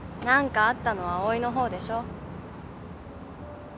何かあったのは葵の方でしょ？